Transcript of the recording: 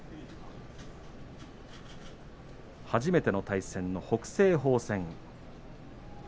初めての対戦の北青鵬戦。